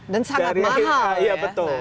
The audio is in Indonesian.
dan sintek itu apa ya